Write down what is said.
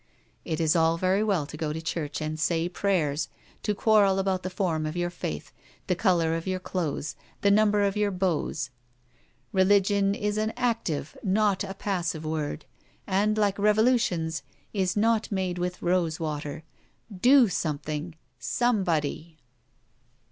It is all very well to go to church and 'say' prayers, to quarrel about the form of your faith, the colour of your clothes, the number of your bows. Religion is an active, not a passive, word; and, like revolutions, is not made with rose water. Do something, somebody!